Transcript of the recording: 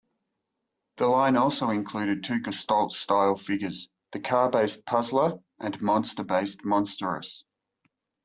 The line also included two gestalt-style figures, the car-based Puzzler and monster-based Monsterous.